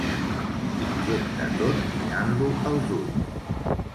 Injecta tot mirant-lo als ulls.